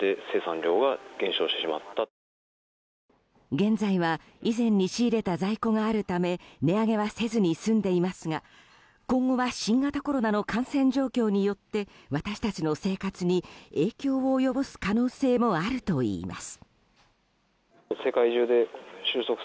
現在は以前に仕入れた在庫があるため値上げはせずに済んでいますが今後は新型コロナの感染状況によって私たちの生活に影響を及ぼす可能性があるといいます。